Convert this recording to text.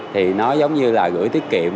thì nó giống như là gửi tiết kiệm